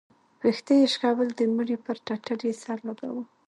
ويښته يې شكول د مړي پر ټټر يې سر لګاوه.